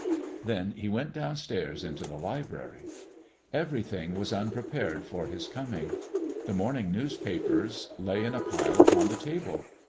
Then he went down stairs into the library. Everything was unprepared for his coming. The morning newspapers lay in a pile upon the table.